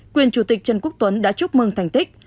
quyền chủ tịch trần quốc tuấn đã chúc mừng thành tích